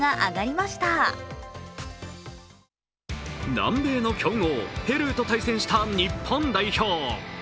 南米の強豪ペルーと対戦した日本代表。